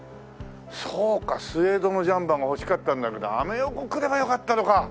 そうかスエードのジャンパーが欲しかったんだけどアメ横来ればよかったのか。